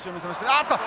あっと！